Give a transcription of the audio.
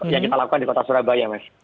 yang kita lakukan di kota surabaya mas